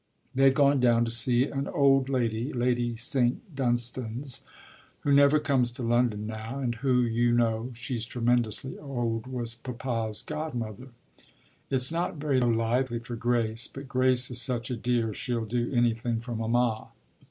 They've gone down to see an old lady, Lady St. Dunstans, who never comes to London now and who, you know she's tremendously old was papa's godmother. It's not very lively for Grace, but Grace is such a dear she'll do anything for mamma.